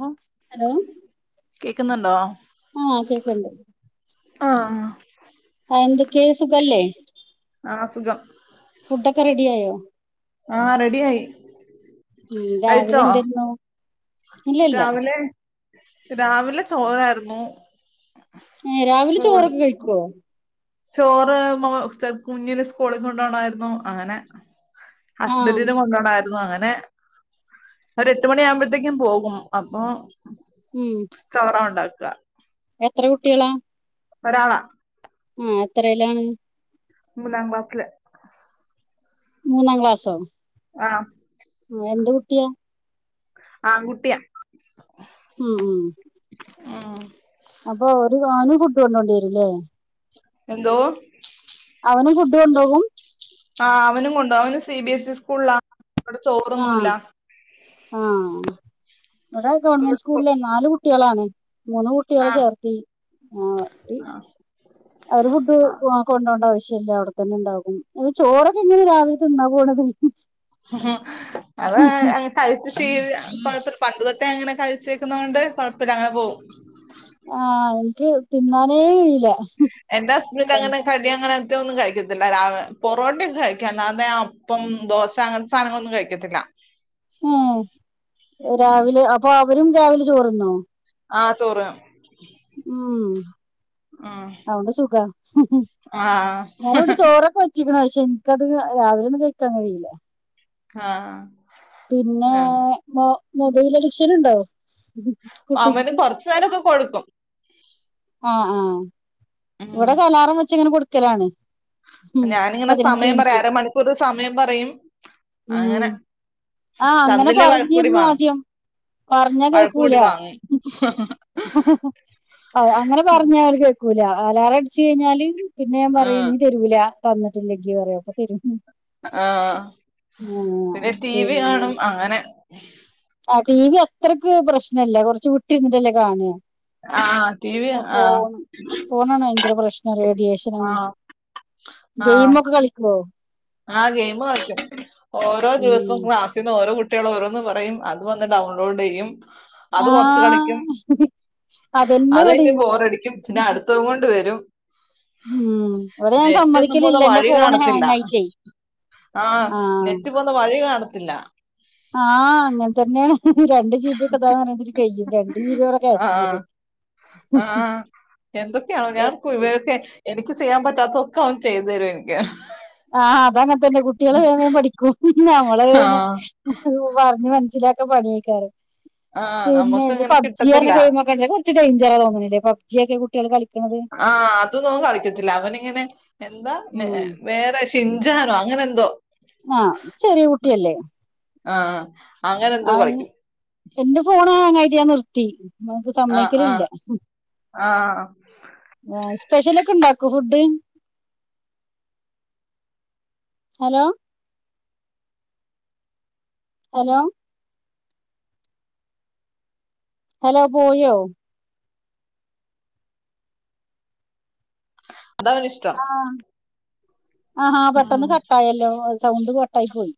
ആ ഹലോ കേക്കുന്നുണ്ടോ. ആഹ് കേക്ക്‌ണ്ട്. ആ ഹാ [unintelligible] ആ എന്തക്കെ സുഖല്ലേ? ആഹ് സുഖം ഫുഡൊക്കെ റെഡിയായോ ആഹ് റെഡിആയി ഉം രാവിലെഎന്തര്ന്നു ഇല്ലല്ല രാവിലെ രാവിലെ ചോറായിരുന്നു ഏഹ് രാവിലെ സ്കൂൾ ചോറൊക്കെകഴിക്കോ ചോറ് മൊ കുഞ്ഞിന് സ്കൂളിൽകൊണ്ടോണായിരുന്നു അങ്ങനെ ആഹ് ഹസ്ബന്റിനും കൊണ്ടണാര് ന്നു അങ്ങനെ ഒരു എട്ട്മണി ആവുമ്പൊഴത്തേക്കും പോകും അപ്പൊ ഉം ചോറ ഉണ്ടാക്ക എത്രകുട്ടികളാ ഒരാള ആഹ് എത്രയിലാണ് മൂന്നാംക്ലാസ്സില് മൂന്നാം ക്ലാസ്സോ ആഹ് എന്ത്കുട്ടിയാ ആങ്കുട്ടിയാ മ് മ് ആഹ് അപ്പൊ ഒരു [unintelligible] ഫുഡ് കൊണ്ടോണ്ടി വരുംല്ലേ എന്തോ അവന് ഫുഡ് കൊണ്ടോകും ആഹ് അവനും കൊണ്ടോവും അവന് സി ബി എസ് ഇ സ്കൂളിലാ അവിടെ ആഹ് ചോറൊന്നുല്ല ആഹ് വ്ടെ ഗവൺമെന്റ് സ്കൂളിലെ നാല് കുട്ടിളാണ് മൂന്ന് കു ട്ടികള ആഹ് ചേർത്തി ആ ഇ ആഹ് അവരെ ഫുഡ് വാ കൊണ്ടോണ്ട ആവശ്യല്ല അവിടെത്തന്നെ ഉണ്ടാകും ഈ ചോറൊക്കെ എങ്ങനെ രാവിലെ തിന്നാ പോണത് അത് എ കഴിച്ച് ശീല കൊഴപ്പല്ല പണ്ട് തൊട്ടേ അങ്ങനെ കഴിച്ചേക്കുന്നോണ്ട് കൊഴപ്പല്ല അങ്ങനെ പോകും ആഹ് നിക്ക് തിന്നാനേ കയിലാ എന്റെ ഹസ്ബന്റ് അങ്ങനെ കടി അങ്ങനെ ത്തെ ഒന്നും കഴിക്കത്തില്ല രാവ് പൊറോട്ടയോക്കെ കഴിക്കും അല്ലാതെ അപ്പം, ദോശ അങ്ങനത്തെ സാനങ്ങളൊന്നും കഴിക്കത്തില്ല ഏ ഉം രാവിലെ അപ്പൊ അവരും രാവിലെ ചോറ്ന്നോ ആഹ് ചോറ് മ് ഉം അതൊണ്ട് സുഖാ ആഹ് വേറിവിടെ ചോറൊക്കെ വ ച്ച്ക്കണ് പക്ഷേ ൻക്കത് രാവിലെ ഒന്നും കയിക്കാൻ കഴീല ആഹ് പിന്നെ മൊ മൊബയില് അഡിക്ഷൻ ഉണ്ടോ അവന് കുട്ടിക്ക് കൊറച്ച് നേരക്കൊ കൊടുക്കും ആഹ് ആഹ് ഉം വ്ടെക്കെ അലാറം വെച്ച് ഇങ്ങനെ കൊടുക്കലാണ് ഉം ഞാനിങ്ങനെ പതിനഞ്ച് സമയം പറയും മിനിറ്റ് അരമണിക്കൂർ സമയം പറയും ഉം അങ്ങനെ ആഹ് അങ്ങനെ തന്നില്ലേ വഴക്കൂടി പറഞ്ഞിരുന്നു വാങ്ങും ആദ്യം പറഞ്ഞാ വഴക്കുകൂടി വാങ്ങും അവ അങ്ങനെ പറഞ്ഞാ അവര് കേക്കൂല അലാറടിച്ച് കയിഞ്ഞാല് പിന്നെ ഞാൻ പറയും ആഹ് ഇഞ്ഞ് തെരുല തന്നിട്ടില്ലെങ്കിൽ പറയും പ്പോ തരും ആഹ് ആ പിന്നെ ടി വി പിന്നെ കാണും അങ്ങനെ ആഹ് ടി വി അത്രക്ക് പ്രശ്നല്ല കൊറച്ച് വിട്ട്‌ര്ന്നിട്ടല്ലേ കാണാ ആ ടി വി അഫ്‌ ആ ഫോണ് ഫോണാണ് വയങ്കര പ്രശ്നല്ലേ റേഡിയേഷനും ആ ഗെയിമൊക്കെ കളിക്കോ ആഹ് ഗെയ്മ് [unintelligible] ഓരോ ദിവസം ഉം ക്ലാസ് [unintelligible] ഓരോ കുട്ടിആള് ഓരോന്ന് പറയും അത് വന്ന് ഡൗൺലോഡ് യ്യും അത് കൊറച്ച് കളിക്കും ആഹ് അതന്നെ അതയിഞ്ഞ് ഇവിടെയും ബോറടിക്കും പിന്നെ അടു ത്തുകൊണ്ട് വരും ഉം ഇവിടെ ഞാൻ നെറ്റൊന്നും പോന്ന സമ്മതിക്കലില്ല എന്റെ വഴി ഫോണ് കാണത്തില്ല ഹാങ് ആയിട്ടേ ആഹ് നെറ്റ് പോന്ന വഴി കാണത്തില്ല ആഹ് അങ്ങനെ തന്നെ ആണ് രണ്ട് ജീ ഇപ്പതാ [unintelligible] രണ്ട് ജീബിയാ വ്ടെ ക്കേറ്റ്ണത് ആഹ് എന്തൊക്കെയാണോ ഞാൻ [unintelligible] എനിക്ക് ചെയ്യാൻ പറ്റാത്തൊക്കെ അവൻ ചെയ്തു തരു എനിക്ക് ആഹ് അതങ്ങനത്തന്നെ കുട്ടിള് വേംവേം പഠിക്കും നമ്മള് ആ വ്ന്നെ [unintelligible] പറഞ്ഞ് മനസ്സിലാക്കാൻ പണിയേക്കാരം ആ പിന്നെ നമുക്ക് ത് അങ്ങനെ പബ്ജി അറഞ്ഞ കിട്ടത്തില്ല ഗെയിമൊക്കെ അല്ലേ ത് കൊറച്ച് ഡേയിഞ്ചറാ തോന്ന്ണ്ല്ലേ പബ്ജിയൊക്കെ കുട്ടിആൾ കളിക്കിണത് ആഹ് അതൊന്നും ഓൻ കളിക്കത്തില്ല അവനിങ്ങനെ എന്താ നെഎ ഉം വേറെ ഷിൻജാനോ അങ്ങനെ എന്തോ ആഹ് ചെറീ കുട്ടിയല്ലേ ആഹ് അങ്ങനെ എന്തോ ആഹ് ഇന് കളിക്കും എന്റെ ഫോണ് ഹാങ്ങായിട്ട് ഞാൻ നിർത്തി [inaudible] ആഹ് ആഹ് സമ്മയിക്കലില്ല ആഹ് ആഹ് സ്പെഷ്യല് ഒക്കെ ഉണ്ടാക്കോ ഫുഡ് ഹലോ ഹലോ ഹലോ പോയോ [unintelligible] ആഹ് ആഹ് ഹ പെട്ടെന്ന് ഉം കട്ടായല്ലോ സൗണ്ട് കട്ടായി പോയി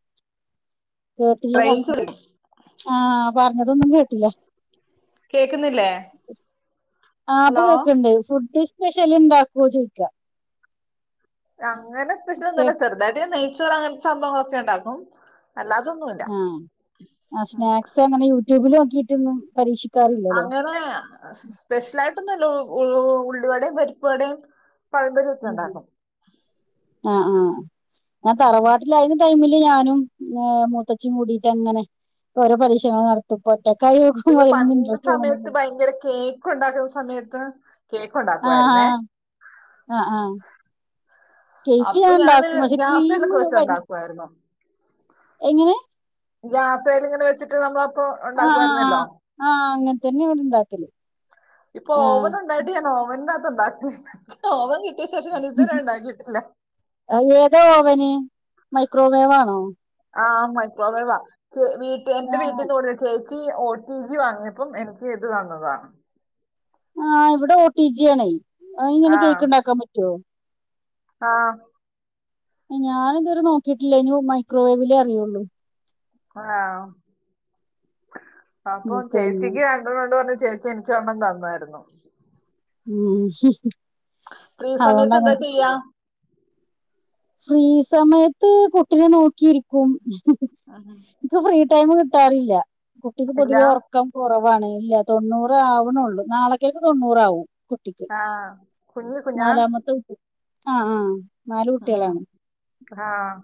കേട്ടില്ല റേഞ്ച് പറഞ്ഞത് വിളിക്കും. അഹ് പറഞ്ഞതൊന്നും കേട്ടില്ല കേക്കുന്നില്ലേ ഹലോ ആപ്പകേക്ക്‌ ണ്ട് ഫുഡ് ഇസ് സ്പെഷൽ ഇണ്ടാക്കുവോ ചോയ്ക്ക അങ്ങനെ സ്പെഷ്യൽ ഒന്നുമല്ല അങ്ങനെ സ്പഷ്ല്ന്നുല കേ- ചെറുതയിട്ട്ഞ നെയ്ച്ചോർ അങ്ങനത്തെ സംഭവങ്ങളൊക്കെഇണ്ടാകും അല്ലാതൊന്നു ആഹ് ആ സ്നാക്സ് അങ്ങനെ യൂട്യൂബില് നോക്കിട്ടൊന്നും പരീക്ഷിക് അങ്ങനെ സ്പെഷ്യലആയിട്ടൊന്നുല്ല ഉള്ളി വടെം പരിപ്പവടെം [unintelligible] ഉണ്ടാക്കും ആഹ് ആഹ് ഉം ഞാതറവാട്ടിലആയുന്ന ടൈമില് ഞാനും മൂത്തച്ചി കൂടിട്ട് അങ്ങനെ ഓരോ പരീശങ്ങൾ നടത് പ്പ ഒറ്റക്കായൊക്കുമ്പോ പിന്നെ അയ്‌ന്ന്നും പണ്ട് ഇൻറ്രസ്റ്റ് സമയത്ത് ഓന്ന്ണ്ല്ലയ് ഭയങ്കര കേ ക്കുഉണ്ടാക്കുന്ന സമയത്ത് കേക്ക് ആഹ് ഉണ്ടാക്കുമായിരുന്നേ ആഹ് ആഹ് ആഹ് കേക്ക് ഞാ അപ്പൊ ഞാന് ഇണ്ടാക്കും പക്ഷെ ഗ്യാസേലൊക്കെ ക്രീമ് വ [unintelligible] എങ്ങനെ ഗ്യാസല് ഇങ്ങനെ വെച്ചിട്ട് നമ്മള അപ്പൊ ആഹ് ആഹ് ഉണ്ടാക്കുയിരുന്നല്ലോ ആഹ് ആഹ് അങ്ങനെ തന്നെ ഇവിടെ ഇണ്ടാക്കല് ഇപ്പൊ ആഹ് ഓവൻ ഉണ്ടായിട്ട് ഞാൻ പ്പ ഓവന്ണ്ടായിട്ട് ഓവൻ കത്ത്ണ്ടാക്കി ഓവൻ കിട്ടിയ ശേഷം ഞാന് ഇതുവരെ ഉണ്ടാക്കിയിട്ടില്ല ഏതോ ഓവന് മൈക്രോവേവ് ആണോ ആഹ് മൈ ക്രോവേവ വീട്ട എന്റെ ആഹ് വീട്ടിന്ന് ഒരു കെക് ഇ ഒ ട്ടി ജി വാങ്ങിയപ്പം എനിക്ക് ഇത് തന്നതാ ആഹ് ഇവിടെ ഒ ട്ടി ജി ആണ് അത് ഇങ്ങനെ കേക്ക് ഇണ്ടാക്കാൻ പറ്റു ആഹ് ഞാന് ഇതുവരെ നോക്കിയിട്ടില്ലേനു മൈക്രോവേവിലേ അറിയുള്ളൂ ആഹ് അപ്പോ ഉം, ച്ചേച്ചി പിന്നെ ക് [unintelligible] എനിക്ക് എണ്ണം തന്നായിരുന്നു ഉം ഫ്രീ അതുകൊണ്ട് സമയത്ത് എന്താ ചെയ്യാ അങ്ങനെകിട്ടിലെ ഫ്രീ സമയത്ത് കുട്ടിനെ നോക്കിരിക്കും ആഹ നിക്ക് ഫ്രീ ടൈം കിട്ടാറില്ല കുട്ടിക്ക് ഇല്ല പൊതുവേ ഒറ് ക്കം കൊറവാണ് ഇല്ല തൊണ്ണൂറ് ആവണുള്ളൂ നാളെക്കേക്ക് തൊണ്ണൂറാവും ട്ടിക്ക്‌ ആ കുഞ്ഞു കുഞ്ഞാ നാലാമത്തെ കുട്ടി ആഹ് ആഹ് നാല് ആഹ് ആഹ്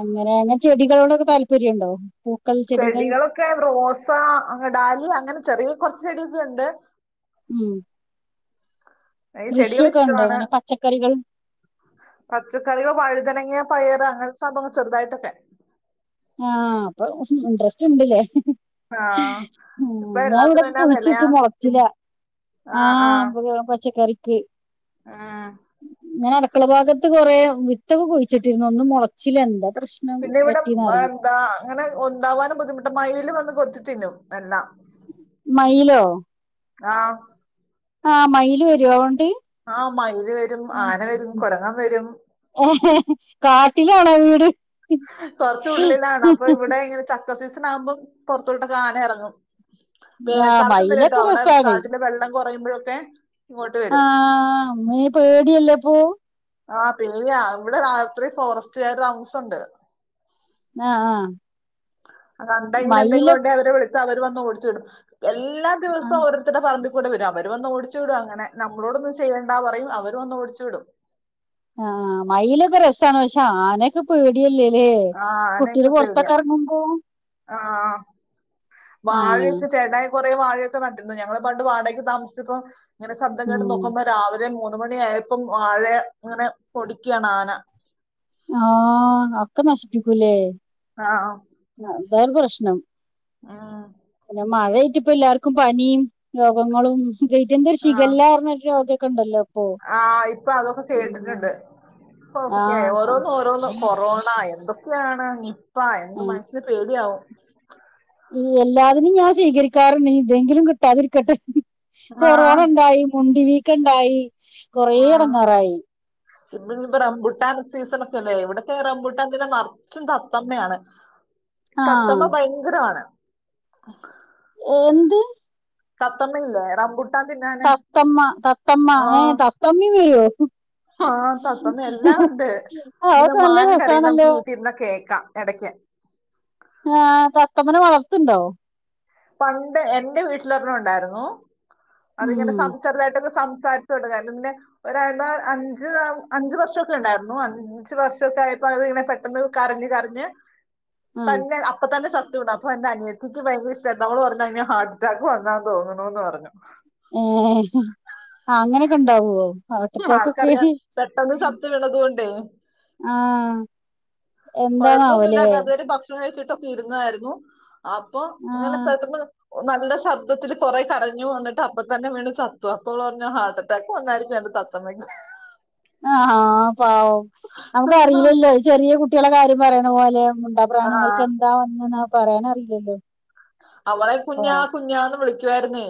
അങ്ങനെഞ ചെടികളോടൊക്കെ താല്പര്യണ്ടോ ചെടികളൊക്കെ റോസ, ഡാലിയ അങ്ങനെ ചെറിയ കൊറച്ച് ചെടിക്കെ ഉണ്ട് ഉം എ കൃഷിയൊക്കെ ഉണ്ടോ ചെടികള്ഇഷ്ടണ് അങ്ങനെ പച്ചക്കറികൾ പച്ചക്കറിയൊ വഴുതനങ്ങ, പയറ്, അങ്ങനെ സംഭവങ്ങ ചെറുതായിട്ടൊക്കെ ആഹ് അപ്പൊ ഇൻട്രസ്റ്റ്ണ്ട്ല്ലേ ആഹ്. ഉം ഇപ്പൊ ഞാ എല്ലാത്തിനും ഇവിടക്കെ എന്നാ വെലയാ. കുഴിച്ചട്ട് പിൻ മൊളച്ചില ആഹ് [unintelligible] പച്ചക്കറിക്ക് ആഹ് ഞാൻ അടക്കള ഭാഗത്ത് കൊറെ വിത്തൊക്കെ കുഴിച്ചിട്ടിരുന്നു ഒന്നും മുളച്ചില്ല എന്താ പ്രശ് പിന്നെ ഇവിടെ എന്താ അങ്ങനെ ഒണ്ടാവാനും ബുദ്ധിമുട്ടാ മയിൽ വന്ന് കൊത്തി തിന്നും എല്ലാം മയിലോ ആഹ് ആഹ് മയില് വരോ അവോണ്ട് ആ മയില് വരും ആന വരും കുരങ്ങൻ വരും കാട്ടിലാണോ വീട് കൊർച്ച ഉള്ളിലാണ് അപ്പൊ ഇവിടെ ഇങ്ങനെ ചക്കസീസൺ ആകുമ്പം പൊറത്തോട്ടൊക്കെ ആന എറങ്ങും ആ വേനൽക്കാലത്തും വരുംട്ടോ മയിലൊക്കെ അവിടെ രസാണ് കാട്ടിലെ വെള്ളം കുറയുമ്പോഴൊക്കെ ഇങ്ങോട്ട് വരും ആഹ് അമ്മേ പേടിയല്ലേപ്പൂ ആഹ പേടിയാ ഇവിടെ രാത്രി ഫോറസ്റ്റുകാര് താമസം ഉണ്ട് ആഹ് ആഹ് അഹ് കണ്ട ഇങ്ങനെ എന്തെങ്കിലും ഒണ്ടെ അവരെ വിളിച്ചാ അവര് വന്ന് ഓടിച്ചു വിടും എല്ലാ ആ ദിവസവും പറമ്പിൽ കൂടെ വരും അവര് വന്ന് ഓടിച്ചു വിടും അങ്ങനെ നമ്മളോടൊന്നും ചെയ്യേണ്ടാ പറയും അവര് വന്ന് ഓടിച്ചു വിടും ആഹ് മയിലൊക്കെ രസാണ് പക്ഷേ ആന പേടിയല്ലെല്ലേ ആ കുട്ടിയാൾ ആനയൊക്കെ പേടിയാ പൊറത്തൊക്കറങ്ങുമ്പോ വാഴൊക്കെ ചേടായി കൊറെ വാഴയൊക്കെ നട്ടിരുന്നു ഞങ്ങൾ പണ്ട് വാടകക്ക് താമസിച്ചപ്പോ ഇങ്ങനെ ശബ്ദം കേട്ട് ഉം നോക്കുമ്പോ രാവിലെ മൂന്നു മണിയായപ്പം വാഴെ ഇങ്ങനെ പൊടിക്കാണ് ആന ആ ഒക്ക നഷ്പ്പിക്കു ലെ ആ ഓ അതാണ് പ്രശ്നം ഉം പിന്നെ മഴ ആയിട്ട് ഇപ്പ എല്ലാർക്കും പനിം രോഗങ്ങളും [unintelligible] ഒര് ഷിഖല്ല പർഞ്ഞ ഒര് രോഗക്കണ്ടല്ലോ ആ ഇപ്പ അതൊക്ക കേട്ട്ട്ട്ണ്ട് [unintelligible] ആഹ് ഓരോന്നു ഓരോന്നും കൊറോണ എന്തൊക്കെണ് നിപ്പാ എന്ത് ആഹ് മനുഷ്യന് പേടിയാവും എല്ലാതിനും ഞാൻ സ്വീകരിക്കാറുണ്ട് ഇതെങ്കിലും കിട്ടാതിരിക്കട്ടെ കൊറോണ ആഹ് ഇണ്ടായി മുണ്ടി വീക്കം ഇണ്ടായി കൊറെ എടങ്ങാറായി ഇ [unintelligible] റമ്പുട്ടാൻ സീസണ [unintelligible] ഇവടെക്കെ റമ്പുട്ടാൻമല് നർച്ചും തത്തമ്മയാണ് ആഹ് തത്തമ്മ ഭയ ങ്കരമാണ് എ എന്ത് തത്തമ്മ ഇല്ലേ റമ്പു തത്തമ്മ തത്തമ്മ ഏ തത്തമ്മീം വരോ ആ തത്തമ്മ എല്ലാം ഉണ്ട് പിന്നെ അതൊക്കെ നല്ല മാൻ കരയുന്ന നമുക്ക് രസാണല്ലോ വീട്ടി ഇരുന്ന് കേക്കാം എടക്ക് ആ തത്തമ്മനെ വളർത്ത്ണ്ടോ പണ്ട് എന്റെ വീട്ടില് ഒരെണ്ണം ഉണ്ടായിരുന്നു അത് ഇങ്ങനെ ഉം സം ചെർതായിട്ടൊക്കെ സംസാരി [unintelligible] ര്ന്നു പിന്നെ ഒരാ അഞ്ച് അഞ്ച് വർഷൊക്ക ഇണ്ടായിരുന്നു അ അഞ്ച് വർഷൊക്ക ആയപ്പോ അത് ഇങ്ങനെ പെട്ടെന്ന് കരഞ് കരഞ് ആഹ് തന്നെ അപ്പൊ തന്നെ ചത്തു ടാ അപ്പൊ എന്റെ അനിയത്തിക്ക് ഭയങ്കര ഇഷ് ട്ടം നമ്മള് പറഞ്ഞു അയ്ന് ഹാർട്ട് അറ്റാക്ക് വന്നാന്ന് തോന്നുണുന്ന് പർഞ്ഞു ഏ അങ്ങനെക്കെ ഇണ്ടാവോ ആർക്കറിയാം പെട്ടെന്ന് ചത്ത് വിണതു കൊണ്ടേ ആ എന്താണാവോ ലെ കുഴപ്പമൊന്നുമില്ലാതെ അതുവരെ ഭക്ഷണം കയ്ച്ചിട്ടൊക്കെ ഇര്ന്നായിരുന്നു അപ്പൊ ആ ഇങ്ങനെ പെട്ടെന്ന് നല്ല ശബ്ദത്തില് കോറെ കരഞ്ഞു ന്നട്ട് അപ്പം തന്നെ വീണ് ചത്തു അപ്പോ ഓള് പർഞ്ഞു ഹാർട്ട് അറ്റാക്ക് വന്നായിരുന്നു [unintelligible] തത്തമ്മയ്ക്ക് ആ ഹാ പാവം നമുക്ക അറീലല്ലോ ചെറിയ കുട്ടിഴള കാര്യം പറിണ പോലെ മിണ്ടാ ആ പ്രാണികൾക്ക് എന്താ വന്നെന്ന് പറയാനറീലല്ലോ അവളെ കുഞ്ഞാ കുഞ്ഞാന്ന് വിളിക്കുവായിരുന്നേ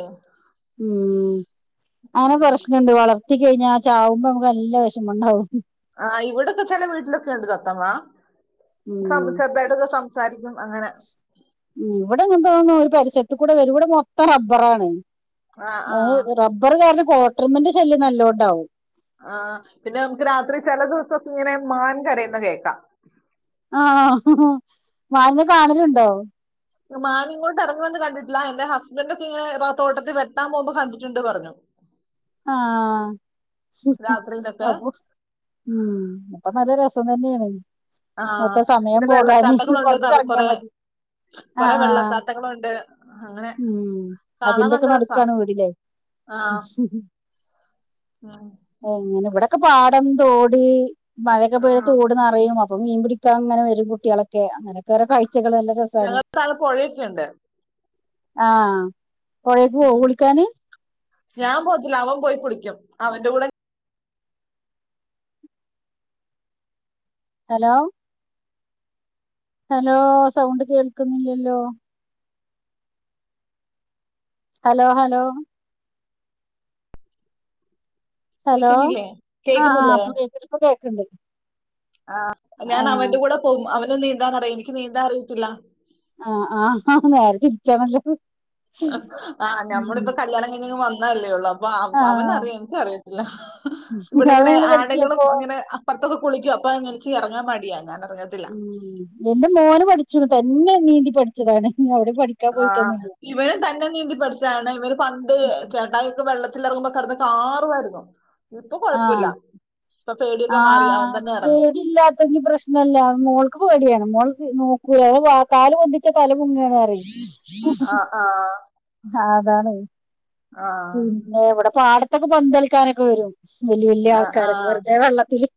ഉം അങ്ങനെ ഉം. പ്രശ്നണ്ട് വളർത്തി കഴിഞ്ഞാ ചാവുമ്പോ നമുക്ക് നല്ല വെഷമണ്ടാവും ആ ഇവടൊക്കെ ചെല വീട്ടിലൊക്ക ഇണ്ട് തത്തമ്മാ ഉം [unintelligible] ചെർതായിട്ടൊക്ക സംസാരിക്കും അങ്ങനെ ഇവടെ അങ്ങൻതതോന്നും ഒര് പരിസര്ത്ത് കൂടെ വരൂ ഇവടെ മൊത്തം റബ്ബറാണ് ആ റബ്ബറ് കാരണം കോട്ടര്മന്റെ ശല്യം നല്ലോണ്ടാവും ആ പിന്നെ നമുക്ക് രാത്രി ചെല ദിവസൊക്കെ ഇങ്ങനെ മാൻ കരയുന്ന കേക്കാ ആ മാൻനെ കാണല്ണ്ടോ മാന് ഇങ്ങോട്ട് എറങ്ങി വന്ന് കണ്ടിട്ടില്ല എന്റെ ഹസ്ബൻഡ് ഒക്ക ഇങ്ങനെ തൊട്ടത്തി വൊട്ടാം പോവുമ്പോ കണ്ട്ട്ട്ണ്ട് പറഞ്ഞു ആ രാത്രിയിലൊക്കെ [unintelligible] ഉം അപ്പം നല്ല രസം തന്നെണ് ആ മൊത്തം സമയം പിന്നെ പോകാനെ വെള്ളച്ചാട്ടങ്ങളുണ്ട് പൊർത്ത്ക്ക് നിറ- എർങ്ങിയാ കുറെ മതി ആ കുറെ ആ വെള്ളച്ചാട്ടങ്ങളുണ്ട് അങ്ങനെ ഉം കാണാൻ അതിന്റെക്കെ നല്ല രസാ നടുക്കാണ് വീട് ലെ ഉം ആഹ് എങ്ങനെ ഇവിടൊക്കെ പാടം തോട് മഴക്കെ ആ പെയ്ത തോട്ന്നറിയും അ അപ്പൊ മീൻ പിടിക്കാൻ അങ്ങനെ വരും കുട്ടികളൊക്കെ അങ്ങനെയൊക്കെ ഓരോ കാഴ്ചകൾ നല്ല രസമാണ് താഴെ പുഴയൊക്കെ ഉണ്ട് ആഹ് പുഴേക്ക് പോവോ ഉം. കുളിക്കാന് ഞാൻ പോകത്തില്ല അവൻ പോയി കുളിക്കും അവന്റെ കൂടെ ഹലോ ഹലോ സൗണ്ട് കേൾക്കുന്നില്ലല്ലോ ഹലോ ഹലോ ഹലോ കേക്കുന്നില്ലേ ആഹ് ആഹ് കേക്കുന്നില്ലേ ഇപ്പൊ കേക്ക്ണ്ട് ഇപ്പൊ കേക്ക്ണ്ട് ആഹ് ഞാൻ ആഹ് അവന്റെ കൂടെ പോകും അവന് നീന്താൻ അറിയും എനിക്ക് നീന്താൻ അറിയത്തില്ല ആഹ് ആഹ് ആഹ് നേരെ തിരിച്ചാണല്ലോ ആഹ് ഉം ഞമ്മളിപ്പൊ കല്യാണം കഴിഞ്ഞങ് വന്നല്ലേ ഉള്ളൂ അപ്പ അവന് ആഹ് അറിയാ എനിക്കറിയത്തില്ല ഇവിടെ ഇങ്ങനെ അവനെങ്ങനെ ആളുകളും പഠിച്ചപ്പോ അങ്ങനെ പൊറത്തൊക്ക കുളിക്കോ അപ്പോ എനിക്ക് ഇറങ്ങാൻ മടി എന്റെ മോന് പഠിച്ച തന്നെ നീന്തി പഠിച്ചതാണ് അവിടെ പഠി ആഹ് ഇവരും തന്നെ നീന്തിപഠിച്ചാണ് ഇവര് പണ്ട് ചേട്ട വെള്ളത്തിൽ ഇറങ്ങുമ്പോ കിടന്ന് കാറുവായിരുന്നു ഇപ്പൊ ആഹ് കൊഴപ്പല്ല ആഹ് പേടില്ല ങ്കി പ്രശ്നല്ല മോൾക്ക് പേടിയാണ് മോൾ നോക്കൂലാ ഓള് വ കാല് പൊന്തിച്ച് തലമുങ്ങാണ് ആഹ് ആഹ് ആഹ് അതാണ് ആഹ് പിന്നെ ഇവടെ പാടത്തൊക്കെ പന്തളിക്കാനൊക്കെ വരും വല്യ വല്യ ആ ആൾക്കാരൊക്കെ ആ വെറുതെ വെള്ളത്തില്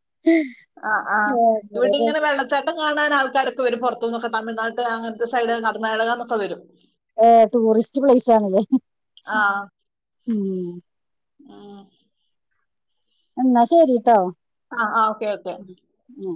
ഒരു രസം ചട്ടം കാണാൻ ആൾക്കാരൊക്കെ വരും പുറത്ത് നിന്നൊക്കെ തമിഴ്നാട്ട് അങ്ങനത്തെ സൈഡ് കർണാടക എന്നൊക്കെ വരും ഏഹ് ടൂറിസ്റ്റ് പ്ലേസ് ആണല്ലേ ഉം ആഹ് എന്നാ ശരിട്ടോ ആഹ് ആഹ് ഓക്കേ ഓക്കെ ഉം